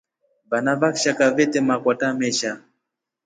Vana wa kshaka vete makwata meshe.